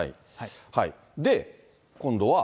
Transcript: で、今度は。